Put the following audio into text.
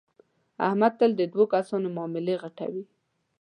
احمد تل د دو کسانو معاملې غټوي.